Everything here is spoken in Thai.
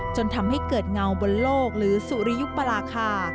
จนทำให้เกิดเงาบนโลกหรือสุริยุปราคา